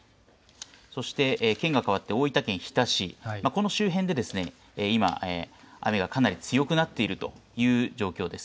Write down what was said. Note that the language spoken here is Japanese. そして県が変わって大分県日田市、この周辺で今、雨がかなり強くなっているという状況です。